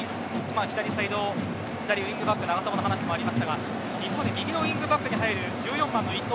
左ウィングバック長友の話もありましたが一方で右のウィングバックに入る１４番の伊東。